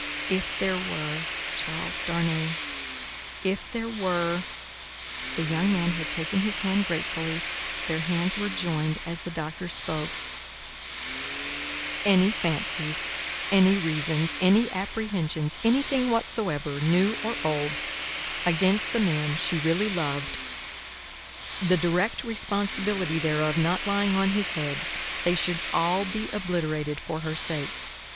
If there were Charles Darnay, if there were " The young man had taken his hand gratefully; their hands were joined as the Doctor spoke: " any fancies, any reasons, any apprehensions, anything whatsoever, new or old, against the man she really loved the direct responsibility thereof not lying on his head they should all be obliterated for her sake.